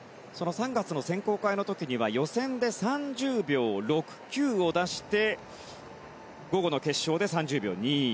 ３月の選考会の時には予選で３０秒６９を出して午後の決勝で３０秒２７。